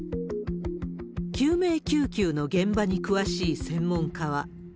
救命救急の現場に詳しい専門家は。